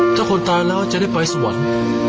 ถ้าคนตายแล้วจะได้ไปสวรรค์